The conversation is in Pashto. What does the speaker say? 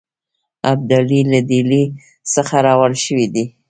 ابدالي له ډهلي څخه روان شوی دی.